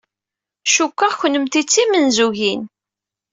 Cikkeɣ kennemti d timenzugin.